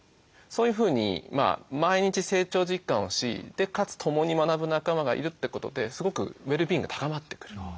そういうふうに毎日成長実感をしかつ共に学ぶ仲間がいるってことですごくウェルビーイングが高まってくる。